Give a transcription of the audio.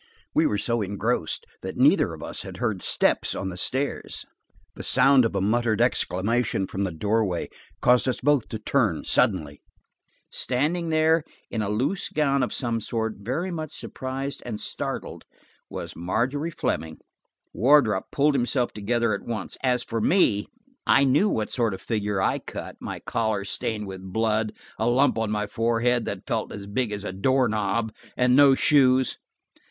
We were so engrossed that neither of us had heard steps on the stairs. The sound of a smothered exclamation from the doorway caused us both to turn suddenly. Standing there, in a loose gown of some sort, very much surprised and startled, was Margery Fleming. Wardrop pulled himself together at once. As for me, I knew what sort of figure I cut, my collar stained with blood, a lump on my forehead that felt as big as a doorknob, and no shoes.